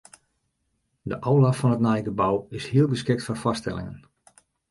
De aula fan it nije gebou is hiel geskikt foar foarstellingen.